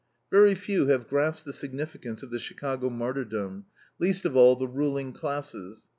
Very few have grasped the significance of the Chicago martyrdom; least of all the ruling classes.